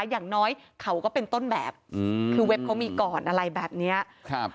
อย่างน้อยเขาก็เป็นต้นแบบอืมคือเว็บเขามีก่อนอะไรแบบเนี้ยครับ